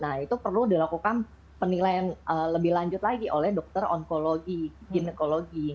nah itu perlu dilakukan penilaian lebih lanjut lagi oleh dokter onkologi ginekologi